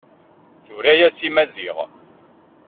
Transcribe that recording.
Tura-yas i Maziɣ.